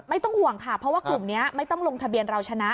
ไม่ต้องห่วงค่ะเพราะว่ากลุ่มนี้ไม่ต้องลงทะเบียนเราชนะ